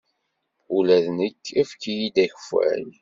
Ula d nekk efk-iyi-d akeffay.